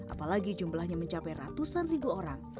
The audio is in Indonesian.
apalagi jumlahnya mencapai ratusan ribu orang